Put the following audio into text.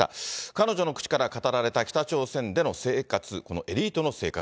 彼女の口から語られた北朝鮮でのエリートの生活。